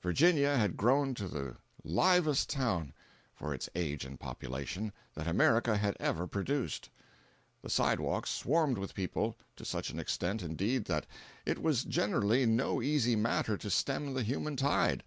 Virginia had grown to be the "livest" town, for its age and population, that America had ever produced. The sidewalks swarmed with people—to such an extent, indeed, that it was generally no easy matter to stem the human tide.